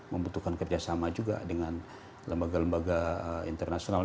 membutuhkan kerjasama juga dengan lembaga lembaga internasional